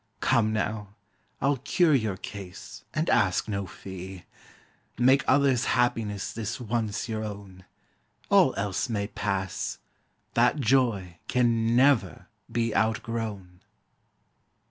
Come, now, I'll cure your case, and ask no fee: Make others' happiness this once your own; All else may pass: that joy can never be Outgrown!